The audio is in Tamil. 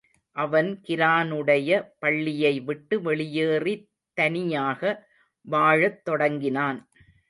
அவன் கிரானுடைய பள்ளியை விட்டு வெளியேறித் தனியாக வாழத் தொடங்கினான்.